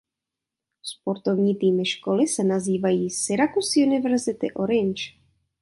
Sportovní týmy školy se nazývají "Syracuse University Orange".